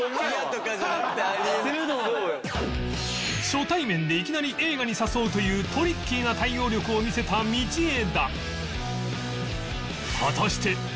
初対面でいきなり映画に誘うというトリッキーな対応力を見せた道枝